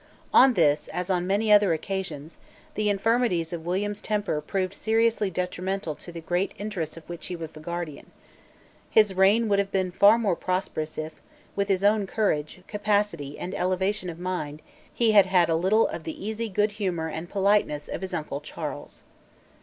On this, as on many other occasions, the infirmities of William's temper proved seriously detrimental to the great interests of which he was the guardian. His reign would have been far more prosperous if, with his own courage, capacity and elevation of mind, he had had a little of the easy good humour and politeness of his uncle Charles.